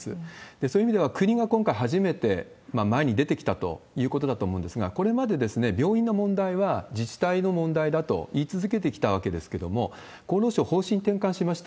そういう意味では、国が今回初めて前に出てきたということだと思うんですが、これまで病院の問題は自治体の問題だと言い続けてきたわけですけれども、厚労省、方針転換しました。